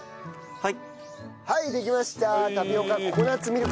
はい。